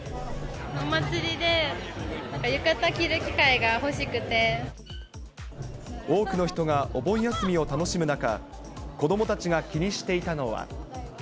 お祭りで浴衣着る機会が欲し多くの人がお盆休みを楽しむ中、子どもたちが気にしていたのは。